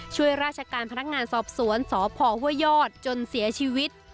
ช่วยราชการพนักงานสอบสวนสพห้วยยอดจนเสียชีวิต